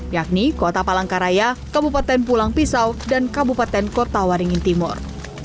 yakni kota palangkaraya kabupaten pulang pisau dan kabupaten kota waringin timur